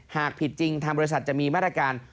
หากผิดจริงทางบริษัทจะมีมาตรการ